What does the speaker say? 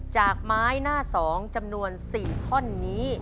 จากไม้หน้าสองจำนวนสี่ท่อนนี้